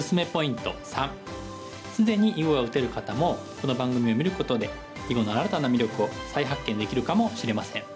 既に囲碁が打てる方もこの番組を見ることで囲碁の新たな魅力を再発見できるかもしれません。